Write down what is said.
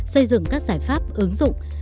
xây dựng các giải pháp ứng dụng